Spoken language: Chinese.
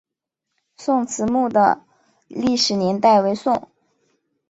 宋慈墓的历史年代为宋。